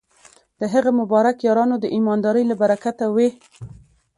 د هغه مبارک یارانو د ایماندارۍ له برکته وې.